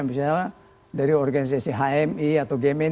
misalnya dari organisasi hmi atau gemit